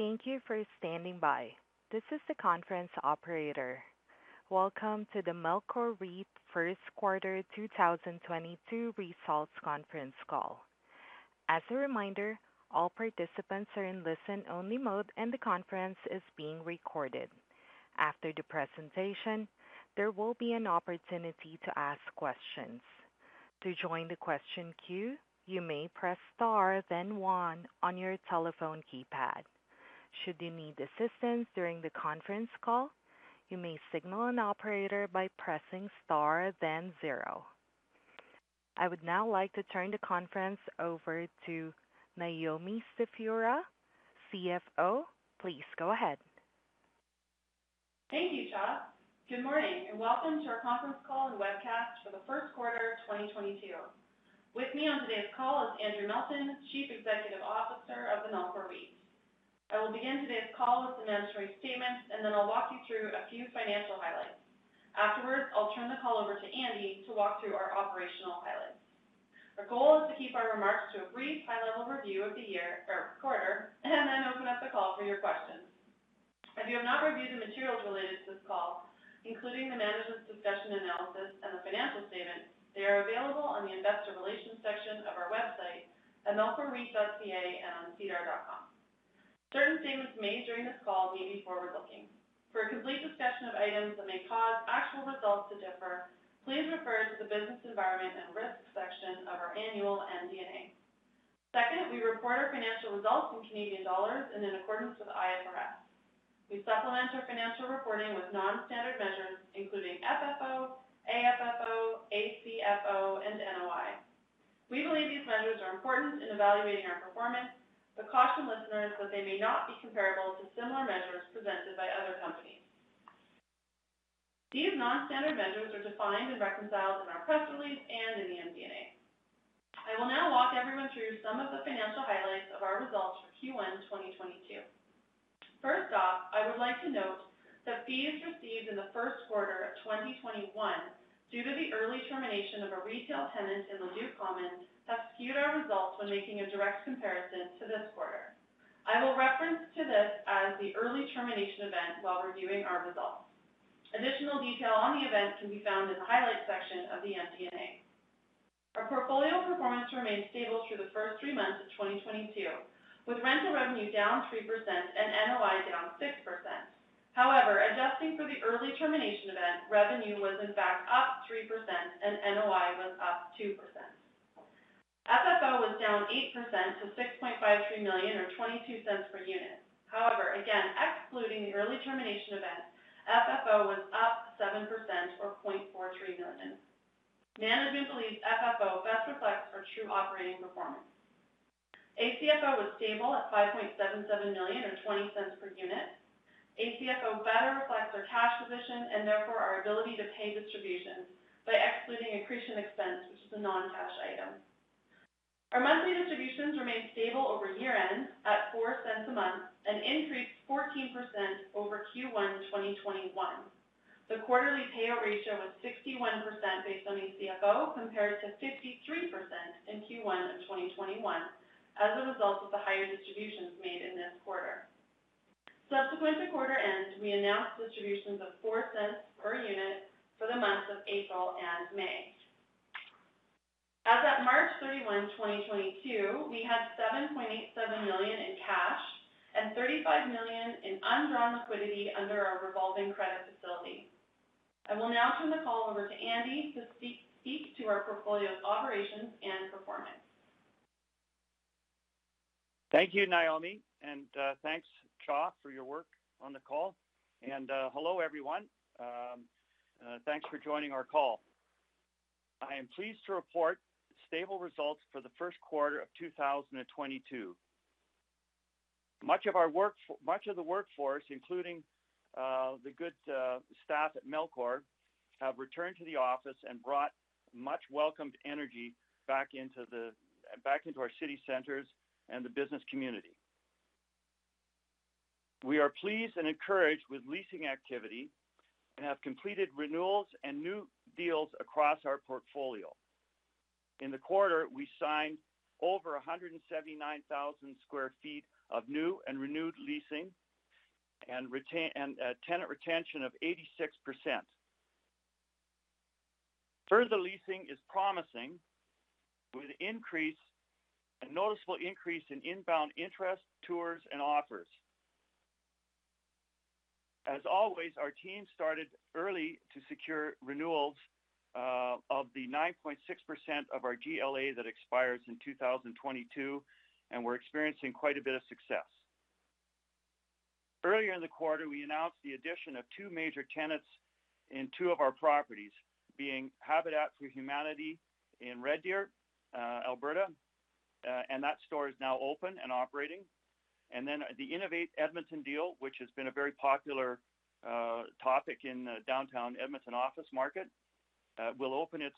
Thank you for standing by. This is the conference operator. Welcome to the Melcor REIT first quarter 2022 results conference call. As a reminder, all participants are in listen-only mode, and the conference is being recorded. After the presentation, there will be an opportunity to ask questions. To join the question queue, you may press star then one on your telephone keypad. Should you need assistance during the conference call, you may signal an operator by pressing star then zero. I would now like to turn the conference over to Naomi Stefura, CFO. Please go ahead. Thank you, Cha. Good morning, and welcome to our conference call and webcast for the first quarter of 2022. With me on today's call is Andrew Melton, Chief Executive Officer of the Melcor REIT. I will begin today's call with the mandatory statements, and then I'll walk you through a few financial highlights. Afterwards, I'll turn the call over to Andrew to walk through our operational highlights. Our goal is to keep our remarks to a brief high-level review of the year or quarter, and then open up the call for your questions. If you have not reviewed the materials related to this call, including the management's discussion and analysis and the financial statements, they are available on the investor relations section of our website at melcorreit.ca and on sedar.com. Certain statements made during this call may be forward-looking. For a complete discussion of items that may cause actual results to differ, please refer to the Business Environment and Risk section of our annual MD&A. Second, we report our financial results in Canadian dollars and in accordance with IFRS. We supplement our financial reporting with non-standard measures, including FFO, AFFO, ACFO, and NOI. We believe these measures are important in evaluating our performance, but caution listeners that they may not be comparable to similar measures presented by other companies. These non-standard measures are defined and reconciled in our press release and in the MD&A. I will now walk everyone through some of the financial highlights of our results for Q1, 2022. First off, I would like to note that fees received in the first quarter of 2021 due to the early termination of a retail tenant in Leduc Commons have skewed our results when making a direct comparison to this quarter. I will refer to this as the early termination event while reviewing our results. Additional detail on the event can be found in the highlights section of the MD&A. Our portfolio performance remained stable through the first three months of 2022, with rental revenue down 3% and NOI down 6%. However, adjusting for the early termination event, revenue was in fact up 3% and NOI was up 2%. FFO was down 8% to 6.53 million or 0.22 per unit. However, again, excluding the early termination event, FFO was up 7% or 0.43 million. Management believes FFO best reflects our true operating performance. ACFO was stable at 5.77 million or 0.20 per unit. ACFO better reflects our cash position and therefore our ability to pay distributions by excluding accretion expense, which is a non-cash item. Our monthly distributions remained stable over year-end at 0.04 a month and increased 14% over Q1 2021. The quarterly payout ratio was 61% based on ACFO compared to 53% in Q1 2021 as a result of the higher distributions made in this quarter. Subsequent to quarter end, we announced distributions of 0.04 per unit for the months of April and May. As at March 31, 2022, we had 7.87 million in cash and 35 million in undrawn liquidity under our revolving credit facility. I will now turn the call over to Andrew Melton to speak to our portfolio's operations and performance. Thank you, Naomi. Thanks, Cha, for your work on the call. Hello, everyone. Thanks for joining our call. I am pleased to report stable results for the first quarter of 2022. Much of the workforce, including the good staff at Melcor, have returned to the office and brought much-welcomed energy back into our city centers and the business community. We are pleased and encouraged with leasing activity and have completed renewals and new deals across our portfolio. In the quarter, we signed over 179,000 sq ft of new and renewed leasing and tenant retention of 86%. Further leasing is promising with a noticeable increase in inbound interest, tours, and offers. As always, our team started early to secure renewals of the 9.6% of our GLA that expires in 2022, and we're experiencing quite a bit of success. Earlier in the quarter, we announced the addition of two major tenants in two of our properties, being Habitat for Humanity in Red Deer, Alberta, and that store is now open and operating. The Innovate Edmonton deal, which has been a very popular topic in downtown Edmonton office market, will open its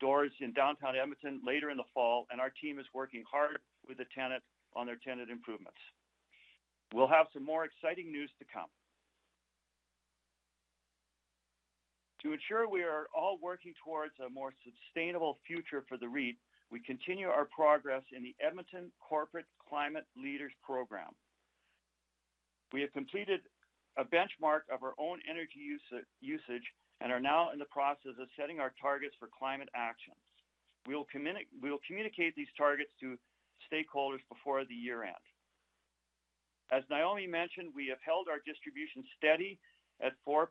doors in downtown Edmonton later in the fall, and our team is working hard with the tenant on their tenant improvements. We'll have some more exciting news to come. To ensure we are all working towards a more sustainable future for the REIT, we continue our progress in the Edmonton Corporate Climate Leaders Program. We have completed a benchmark of our own energy usage and are now in the process of setting our targets for climate actions. We will communicate these targets to stakeholders before the year-end. As Naomi mentioned, we have held our distribution steady at 0.04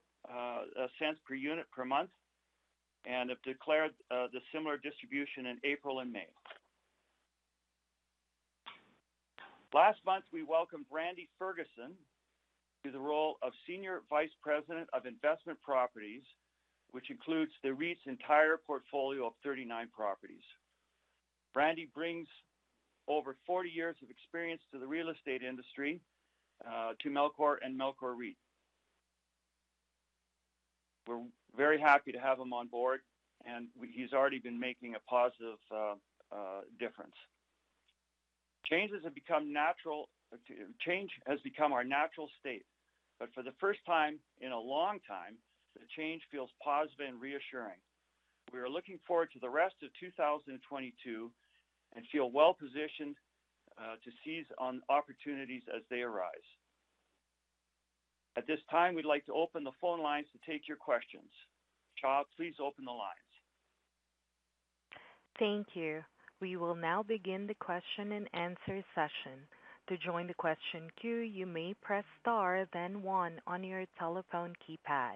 per unit per month and have declared the similar distribution in April and May. Last month, we welcomed Randy Ferguson to the role of Senior Vice President of Investment Properties, which includes the REIT's entire portfolio of 39 properties. Randy brings over 40 years of experience to the real estate industry to Melcor and Melcor REIT. We're very happy to have him on board, and he's already been making a positive difference. Changes have become natural. Change has become our natural state. For the first time in a long time, the change feels positive and reassuring. We are looking forward to the rest of 2022 and feel well-positioned to seize on opportunities as they arise. At this time, we'd like to open the phone lines to take your questions. Cha, please open the lines. Thank you. We will now begin the question and answer session. To join the question queue, you may press star then one on your telephone keypad.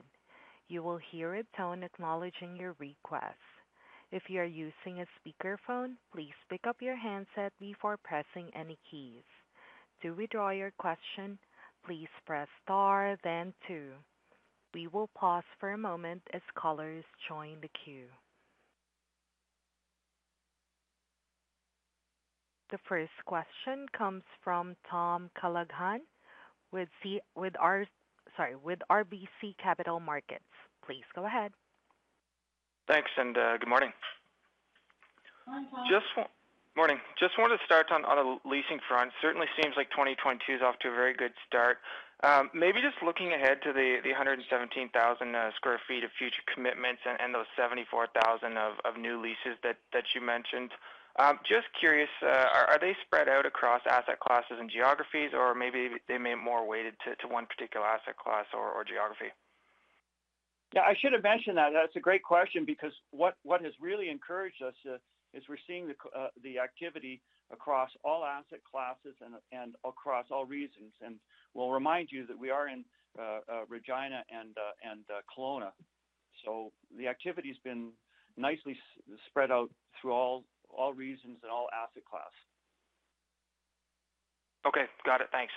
You will hear a tone acknowledging your request. If you are using a speakerphone, please pick up your handset before pressing any keys. To withdraw your question, please press star then two. We will pause for a moment as callers join the queue. The first question comes from Tom Callaghan with RBC Capital Markets. Please go ahead. Thanks, and, good morning. Morning, Tom. Morning. Just wanted to start on a leasing front. Certainly seems like 2022 is off to a very good start. Maybe just looking ahead to the 117,000 sq ft of future commitments and those 74,000 of new leases that you mentioned. Just curious, are they spread out across asset classes and geographies, or maybe they're more weighted to one particular asset class or geography? Yeah, I should have mentioned that. That's a great question because what has really encouraged us is we're seeing the activity across all asset classes and across all regions. We'll remind you that we are in Regina and Kelowna. The activity's been nicely spread out through all regions and all asset class. Okay. Got it. Thanks.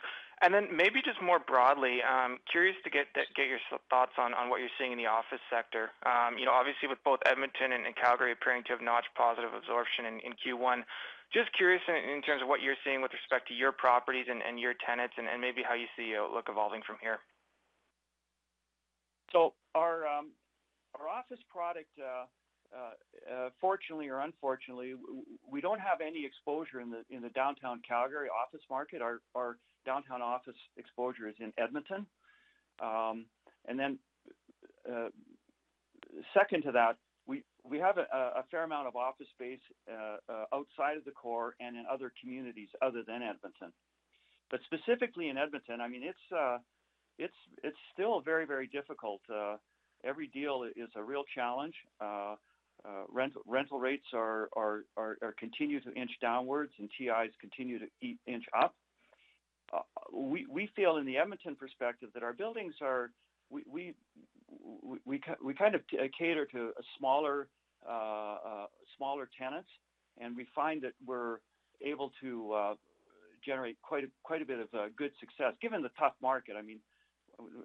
Maybe just more broadly, curious to get your thoughts on what you're seeing in the office sector. You know, obviously with both Edmonton and Calgary appearing to have notched positive absorption in Q1. Just curious in terms of what you're seeing with respect to your properties and your tenants and maybe how you see the outlook evolving from here. Our office product, fortunately or unfortunately, we don't have any exposure in the downtown Calgary office market. Our downtown office exposure is in Edmonton. Second to that, we have a fair amount of office space outside of the core and in other communities other than Edmonton. Specifically in Edmonton, I mean, it's still very, very difficult. Every deal is a real challenge. Rental rates continue to inch downwards and TIs continue to inch up. We feel in the Edmonton perspective that our buildings are. We kind of cater to smaller tenants, and we find that we're able to generate quite a bit of good success given the tough market. I mean,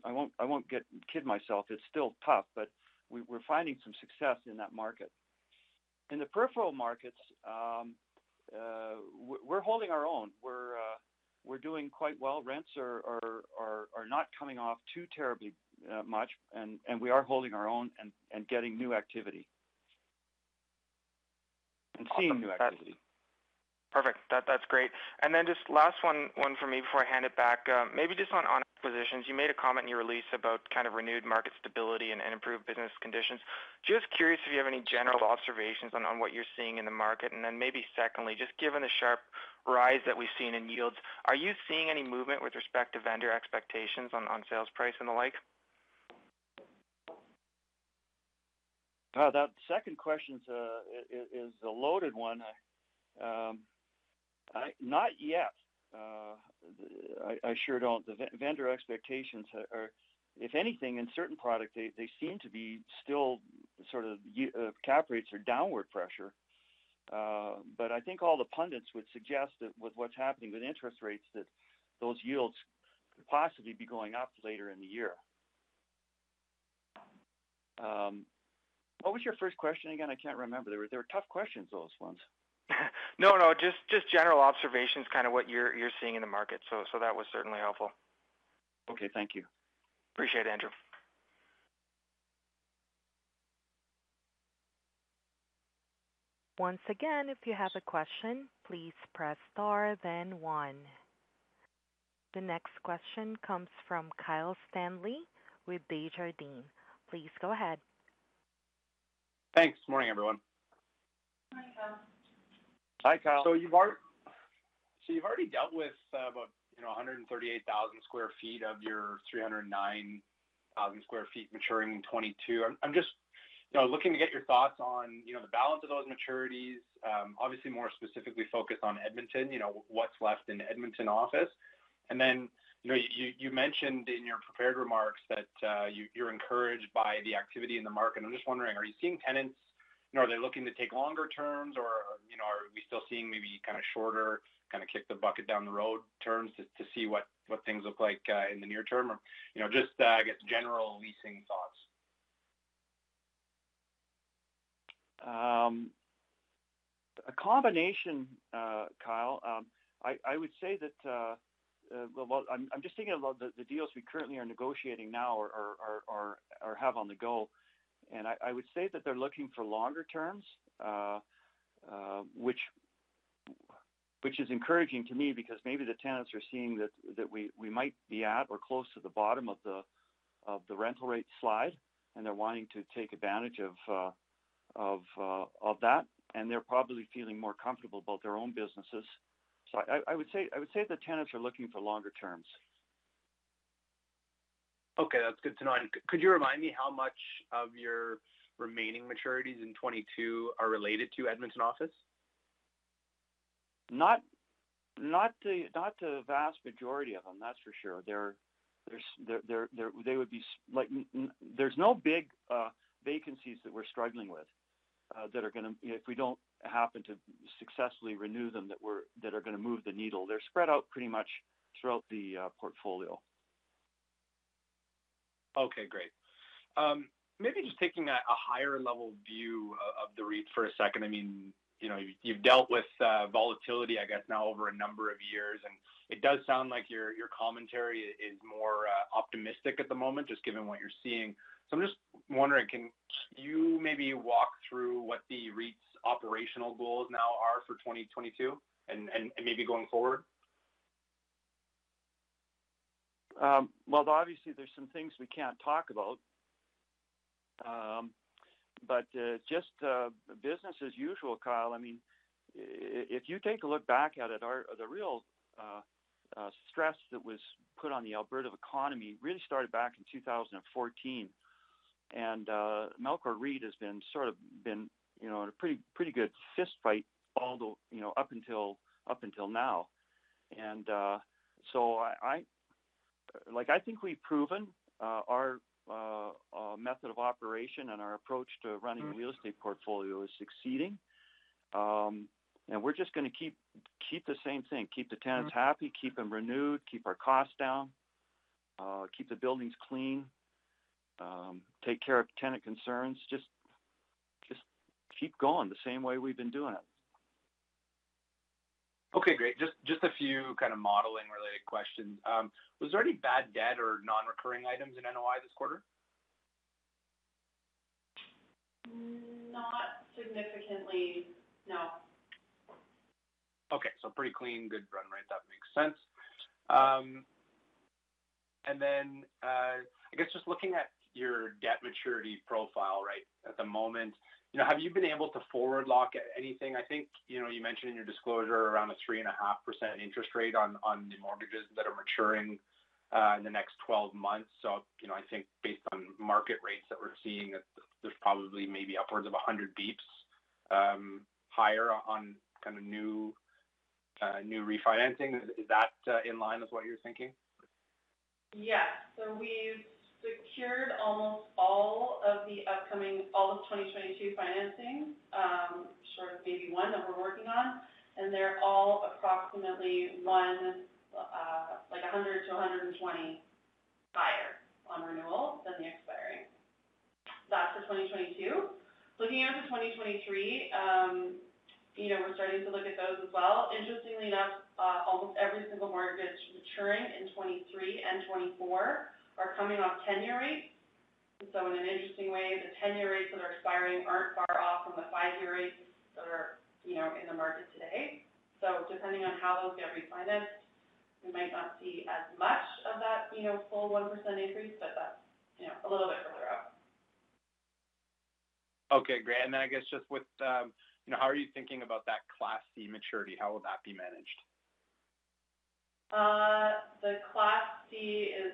I won't kid myself, it's still tough, but we're finding some success in that market. In the peripheral markets, we're holding our own. We're doing quite well. Rents are not coming off too terribly much, and we are holding our own and getting new activity. Seeing new activity. Awesome. That's perfect. That's great. Then just last one for me before I hand it back. Maybe just on acquisitions. You made a comment in your release about kind of renewed market stability and improved business conditions. Just curious if you have any general observations on what you're seeing in the market. Then maybe secondly, just given the sharp rise that we've seen in yields, are you seeing any movement with respect to vendor expectations on sales price and the like? That second question is a loaded one. Not yet. I sure don't. The vendor expectations are, if anything, in certain product, they seem to be still sort of cap rates or downward pressure. I think all the pundits would suggest that with what's happening with interest rates, that those yields could possibly be going up later in the year. What was your first question again? I can't remember. They were tough questions, those ones. No. Just general observations, kind of what you're seeing in the market. That was certainly helpful. Okay. Thank you. Appreciate it, Andrew. Once again, if you have a question, please press star then one. The next question comes from Kyle Stanley with Desjardins. Please go ahead. Thanks. Morning, everyone. Morning, Kyle. Hi, Kyle. You've already dealt with about, you know, 138,000 sq ft of your 309,000 sq ft maturing in 2022. I'm just, you know, looking to get your thoughts on, you know, the balance of those maturities, obviously more specifically focused on Edmonton. You know, what's left in Edmonton office. Then, you know, you mentioned in your prepared remarks that you're encouraged by the activity in the market. I'm just wondering, are you seeing tenants? You know, are they looking to take longer terms or, you know, are we still seeing maybe kind of shorter, kind of kick the can down the road terms to see what things look like in the near term? Or, you know, just, I guess, general leasing thoughts. A combination, Kyle. I would say that well, I'm just thinking about the deals we currently are negotiating now or have on the go. I would say that they're looking for longer terms, which is encouraging to me because maybe the tenants are seeing that we might be at or close to the bottom of the rental rate slide, and they're wanting to take advantage of that, and they're probably feeling more comfortable about their own businesses. I would say the tenants are looking for longer terms. Okay, that's good to know. Could you remind me how much of your remaining maturities in 2022 are related to Edmonton office? Not the vast majority of them, that's for sure. They're like, there's no big vacancies that we're struggling with that are gonna, if we don't happen to successfully renew them, that are gonna move the needle. They're spread out pretty much throughout the portfolio. Okay, great. Maybe just taking a higher level view of the REIT for a second. I mean, you know, you've dealt with volatility, I guess now over a number of years, and it does sound like your commentary is more optimistic at the moment, just given what you're seeing. I'm just wondering, can you maybe walk through what the REIT's operational goals now are for 2022 and maybe going forward? Well, obviously there's some things we can't talk about. Just business as usual, Kyle. I mean, if you take a look back at it, the real stress that was put on the Alberta economy really started back in 2014. Melcor REIT has been sort of, you know, in a pretty good fist fight all the, you know, up until now. Like, I think we've proven our method of operation and our approach to running a real estate portfolio is succeeding. We're just gonna keep the same thing, keep the tenants happy, keep them renewed, keep our costs down, keep the buildings clean, take care of tenant concerns, just keep going the same way we've been doing it. Okay, great. Just a few kind of modeling-related questions. Was there any bad debt or non-recurring items in NOI this quarter? Not significantly, no. Okay. Pretty clean, good run rate. That makes sense. I guess just looking at your debt maturity profile right at the moment, you know, have you been able to forward lock anything? I think, you know, you mentioned in your disclosure around a 3.5% interest rate on the mortgages that are maturing in the next 12 months. I think based on market rates that we're seeing, there's probably maybe upwards of 100 basis points higher on kind of new refinancing. Is that in line with what you're thinking? Yes. We've secured almost all of the upcoming, all of 2022 financing, short of maybe one that we're working on, and they're all approximately 100-120 higher on renewal than the expiring. That's for 2022. Looking out to 2023, you know, we're starting to look at those as well. Interestingly enough, almost every single mortgage maturing in 2023 and 2024 are coming off ten-year rates. In an interesting way, the 10-year rates that are expiring aren't far off from the five-year rates that are, you know, in the market today. Depending on how those get refinanced, we might not see as much of that, you know, full 1% increase, but that's, you know, a little bit further out. Okay, great. I guess just with, you know, how are you thinking about that Class C maturity? How will that be managed? The Class C is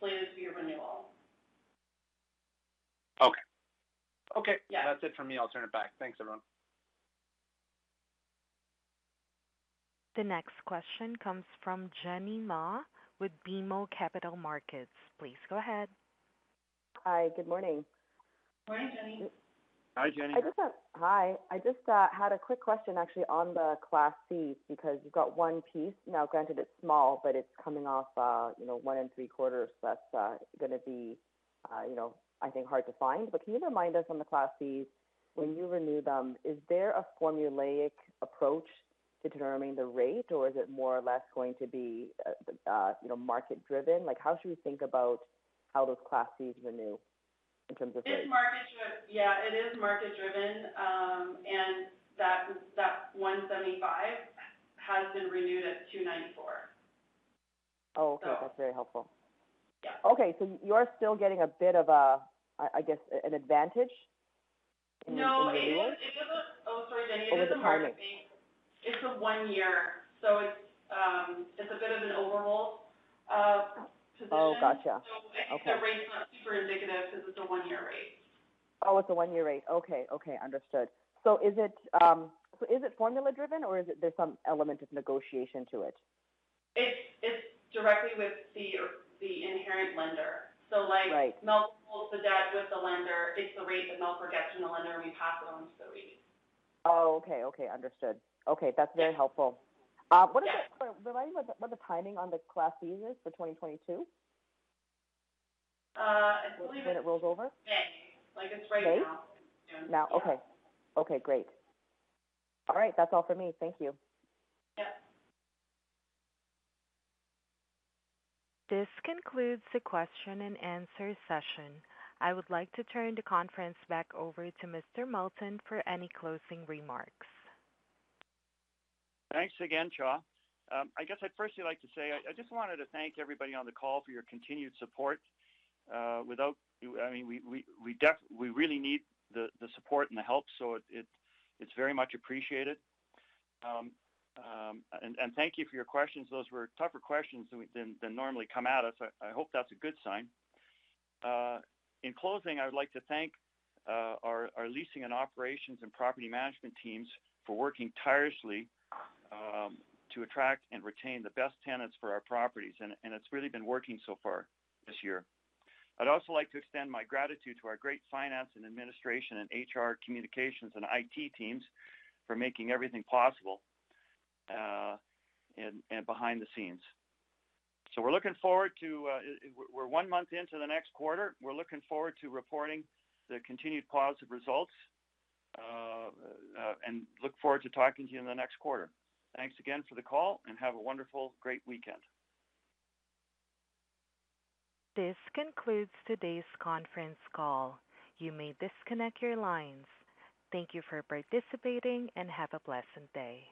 slated to be a renewal. Okay. Yeah. That's it for me. I'll turn it back. Thanks, everyone. The next question comes from Jenny Ma with BMO Capital Markets. Please go ahead. Hi, good morning. Morning, Jenny. Hi, Jenny. I had a quick question actually on the Class Cs, because you've got one piece. Now, granted, it's small, but it's coming off, you know, 1.75%. That's gonna be, you know, I think hard to find. Can you remind us on the Class Cs, when you renew them, is there a formulaic approach to determining the rate or is it more or less going to be, you know, market-driven? Like how should we think about how those Class Cs renew in terms of rate? Yeah, it is market-driven. That 1.75 has been renewed at 2.94. Oh, okay. So. That's very helpful. Yeah. Okay. You're still getting a bit of a, I guess, an advantage in renewals? No. Oh, sorry, Jenny. Was it partly? It's a one year, so it's a bit of an overall position. Oh, gotcha. Okay. I think the rate's not super indicative because it's a one-year rate. Oh, it's a one-year rate. Okay. Understood. Is it formula driven or is there some element of negotiation to it? It's directly with the inherent lender. Right. like Melcor pulls the debt with the lender, it's the rate that Melcor gets from the lender, and we pass it on to the REIT. Oh, okay. Understood. That's very helpful. Yeah. Remind me what the timing on the Class Cs is for 2022? I believe it. When it rolls over. May. Like it's right now. May? Yeah. Now. Okay. Okay, great. All right. That's all for me. Thank you. Yeah. This concludes the question and answer session. I would like to turn the conference back over to Mr. Melton for any closing remarks. Thanks again, Cha. I guess I'd firstly like to say I just wanted to thank everybody on the call for your continued support. Without you, I mean, we really need the support and the help, so it's very much appreciated. Thank you for your questions. Those were tougher questions than normally come at us. I hope that's a good sign. In closing, I would like to thank our leasing and operations and property management teams for working tirelessly to attract and retain the best tenants for our properties. It's really been working so far this year. I'd also like to extend my gratitude to our great finance and administration and HR communications and IT teams for making everything possible and behind the scenes. We're one month into the next quarter. We're looking forward to reporting the continued positive results, and look forward to talking to you in the next quarter. Thanks again for the call, and have a wonderful, great weekend. This concludes today's conference call. You may disconnect your lines. Thank you for participating, and have a pleasant day.